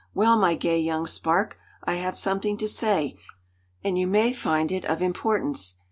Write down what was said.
Well, my gay young spark, I have something to say, and you may find it of importance.